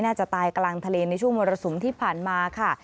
น่าจะตายกลางทะเลในช่วงมรสุมที่ผ่านมาค่ะ